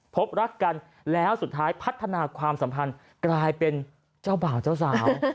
พบรักกันแล้วสุดท้ายพัฒนาความสัมพันธ์กลายเป็นเจ้าบ่าวเจ้าสาว